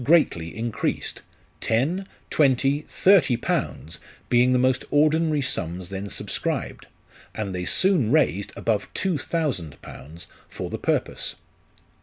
greatly increased ten, twenty, thirty pounds, being the most ordinary sums then subscribed, and they soon raised above two thousand pounds for the purpose.